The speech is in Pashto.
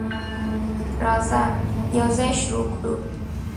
راځه، یوځای شروع کړو.